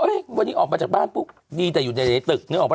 วันนี้ออกมาจากบ้านปุ๊บดีแต่อยู่ในตึกนึกออกป